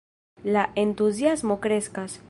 La entuziasmo kreskas.